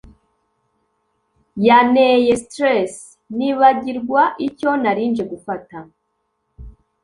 Yaneye stress nibagirwa icyo narinje gufata